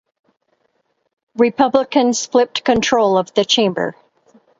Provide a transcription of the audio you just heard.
Republicans flipped control of the chamber.